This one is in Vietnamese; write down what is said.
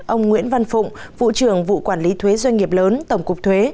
ông nguyễn văn phụng vụ trưởng vụ quản lý thuế doanh nghiệp lớn tổng cục thuế